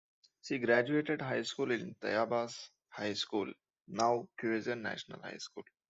She graduated high school in Tayabas High School now, Quezon National High School.